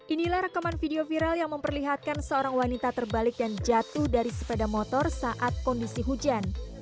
inilah rekaman video viral yang memperlihatkan seorang wanita terbalik dan jatuh dari sepeda motor saat kondisi hujan